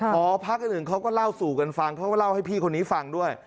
หอพักอื่นเขาก็เล่าสู่กันฟังเขาก็เล่าให้พี่คนนี้ฟังด้วย